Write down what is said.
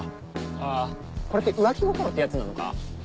ああこれって浮気心ってやつなのか？